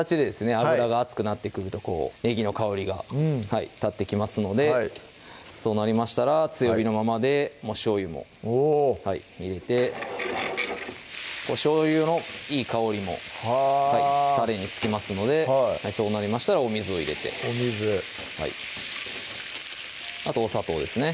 油が熱くなってくるとねぎの香りが立ってきますのでそうなりましたら強火のままでしょうゆも入れてしょうゆのいい香りもタレにつきますのでそうなりましたらお水を入れてお水あとお砂糖ですね